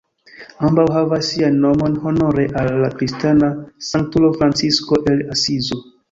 Ambaŭ havas sian nomon honore al la kristana sanktulo Francisko el Asizo.